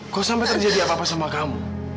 kok sampai terjadi apa apa sama kamu